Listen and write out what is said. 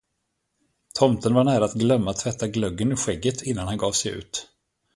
Tomten var nära att glömma tvätta glöggen ur skägget, innan han gav sig ut.